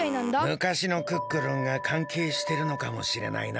むかしのクックルンがかんけいしてるのかもしれないな。